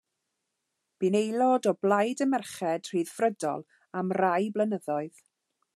Bu'n aelod o Blaid y Merched Rhyddfrydol am rai blynyddoedd.